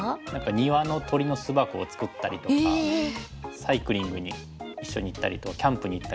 庭の鳥の巣箱を作ったりとかサイクリングに一緒に行ったりキャンプに行ったりとか。